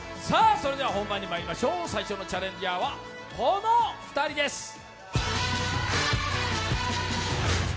それでは本番にまいりましょう、最初のチャレンジャーはこの２人です。